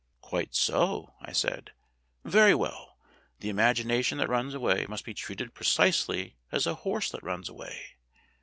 "Quite so," I said. "Very well; the imagination that runs away must be treated precisely as a horse that runs away.